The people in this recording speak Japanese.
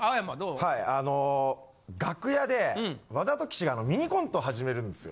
はいあの楽屋で和田と岸がミニコント始めるんですよ。